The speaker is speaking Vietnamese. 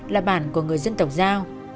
là bản của người dân tộc giao